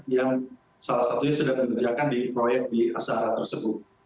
yang salah satunya sudah mengerjakan di proyek di asara tersebut